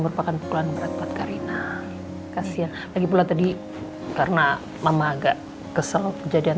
merupakan pukulan berat buat karina kasihan lagi pula tadi karena mama agak kesel kejadian